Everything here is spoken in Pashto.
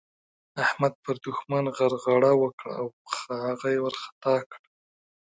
احمد پر دوښمن غرغړه وکړه او هغه يې وارخطا کړ.